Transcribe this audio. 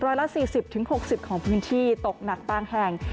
ร้อยละ๔๐๖๐ของพื้นที่ตกหนักบางแห่ง